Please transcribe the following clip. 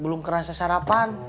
belum kerasa sarapan